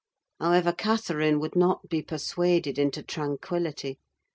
However, Catherine would not be persuaded into tranquillity.